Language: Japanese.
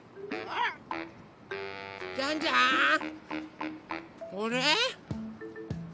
あれ？